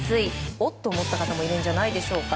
おっ？と思った方もいるんじゃないでしょうか。